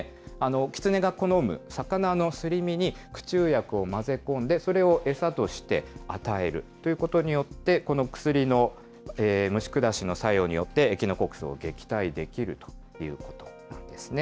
キツネが好む魚のすり身に、駆虫薬を混ぜ込んで、それを餌として与えるということによって、この薬の虫下しの作用によって、エキノコックスを撃退できるということなんですね。